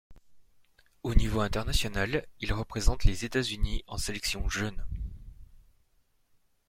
Au niveau international, il représente les États-Unis en sélection jeune.